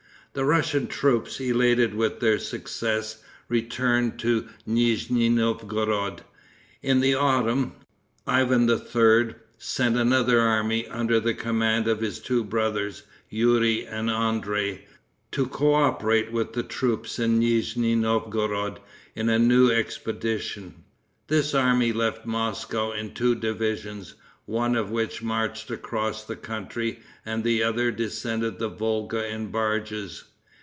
The Russian troops, elated with their success, returned to Nizni Novgorod. In the autumn, Ivan III. sent another army, under the command of his two brothers, Youri and André, to coöperate with the troops in Nizni Novgorod in a new expedition. This army left Moscow in two divisions, one of which marched across the country, and the other descended the Volga in barges.